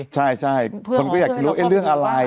ใช่คนก็อยากจะรู้เรื่องอะไร